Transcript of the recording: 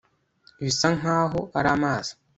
bisa nkaho ari amazi